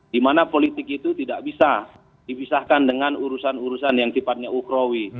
dimana politik itu tidak bisa dipisahkan dengan urusan urusan yang sifatnya ukrawi